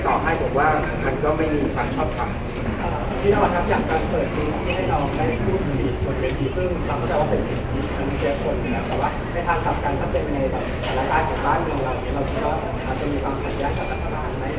มันอาจจะมีความปัจเทศไหม